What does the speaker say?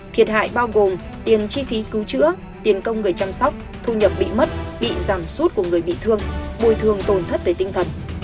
thiệt hại bao gồm tiền chi phí cứu chữa tiền công người chăm sóc thu nhập bị mất bị giảm sút của người bị thương bồi thường tổn thất về tinh thần